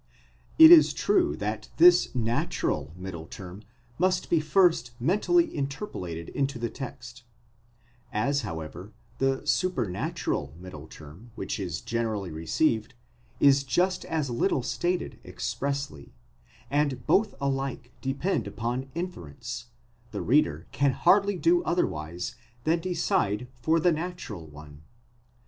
It is true that this natural middle term must be first mentally interpolated into the text ; as, however, the supernatural middle term which is generally received is just as little stated expressly, and both alike depend upon inference, the reader can hardly do otherwise than decide for the natural one.